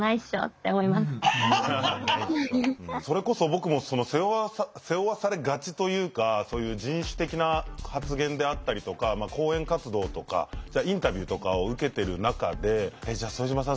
それこそ僕も背負わされがちというかそういう人種的な発言であったりとか講演活動とかインタビューとかを受けてる中で「じゃあ副島さん